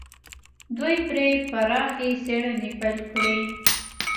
دوی پرې پراخې څېړنې پيل کړې.